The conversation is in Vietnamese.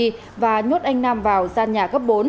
trà my và nhốt anh nam vào gian nhà cấp bốn